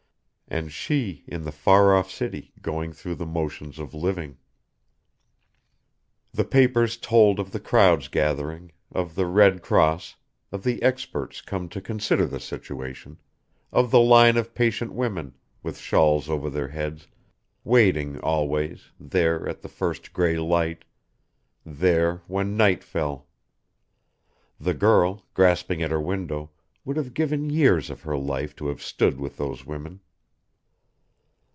And she, in the far off city, going though the motions of living. The papers told of the crowds gathering, of the Red Cross, of the experts come to consider the situation, of the line of patient women, with shawls over their heads, waiting always, there at the first gray light, there when night fell; the girl, gasping at her window, would have given years of her life to have stood with those women.